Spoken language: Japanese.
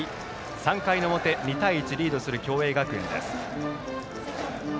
３回の表２対１とリードする共栄学園。